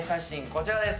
こちらです。